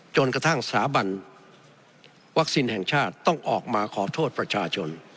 จนกระทั่งสถาบันวัคซีนแห่งชาติต้องออกมาขอโทษประชาชน